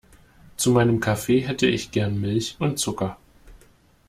Zu meinem Kaffee hätte ich gern Milch und Zucker.